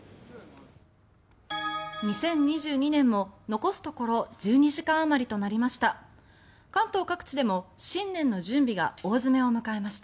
２０２２年も残すところ１２時間あまりとなりました。